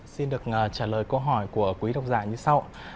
xin được trả lời câu hỏi của quý độc giả như sau